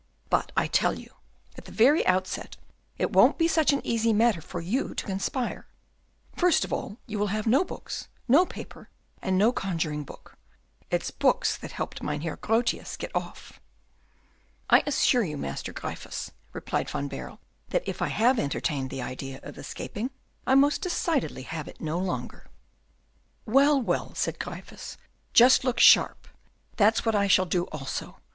But I tell you, at the very outset, it won't be such an easy matter for you to conspire. First of all, you will have no books, no paper, and no conjuring book. It's books that helped Mynheer Grotius to get off." "I assure you, Master Gryphus," replied Van Baerle, "that if I have entertained the idea of escaping, I most decidedly have it no longer." "Well, well," said Gryphus, "just look sharp: that's what I shall do also.